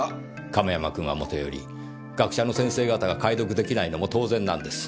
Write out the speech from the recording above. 亀山くんはもとより学者の先生方が解読出来ないのも当然なんです。